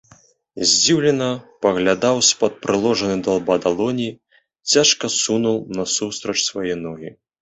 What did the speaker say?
Здзіўлена паглядаў з-пад прыложанай да лба далоні, цяжка сунуў насустрач свае ногі.